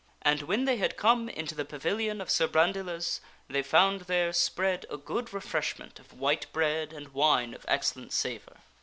And when they had come into the pavilion of Sir Brandiles they found there spread a good refreshment of white bread and wine of excellent savor.